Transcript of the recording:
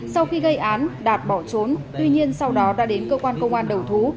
sau khi gây án đạt bỏ trốn tuy nhiên sau đó đã đến cơ quan công an đầu thú